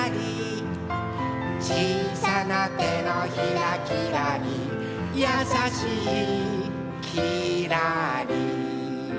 「ちいさなてのひらきらり」「やさしいきらり」